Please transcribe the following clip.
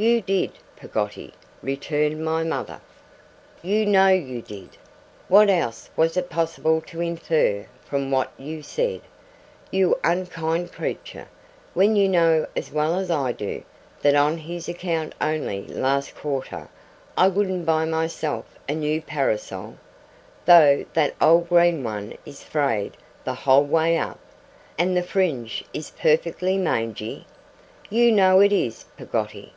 'You did, Peggotty!' returned my mother. 'You know you did. What else was it possible to infer from what you said, you unkind creature, when you know as well as I do, that on his account only last quarter I wouldn't buy myself a new parasol, though that old green one is frayed the whole way up, and the fringe is perfectly mangy? You know it is, Peggotty.